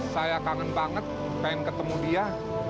saya kangen banget pengen ketemu dia